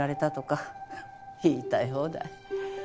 ふっ言いたい放題。